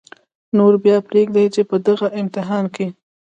نو بیا پرېږدئ چې په دغه امتحان کې